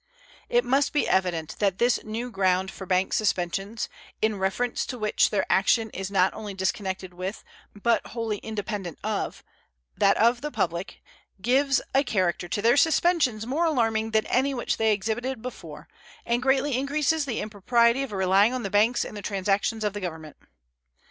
It must be evident that this new ground for bank suspensions, in reference to which their action is not only disconnected with, but wholly independent of, that of the public, gives a character to their suspensions more alarming than any which they exhibited before, and greatly increases the impropriety of relying on the banks in the transactions of the Government.